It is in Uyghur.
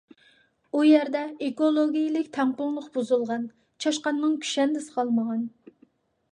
ئۇ يەردە ئېكولوگىيىلىك تەڭپۇڭلۇق بۇزۇلغان، چاشقاننىڭ كۈشەندىسى قالمىغان.